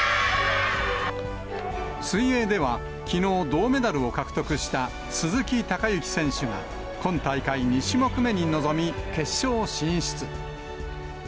水泳では、きのう銅メダルを獲得した鈴木孝幸選手が、今大会２種目目に臨み決勝進出。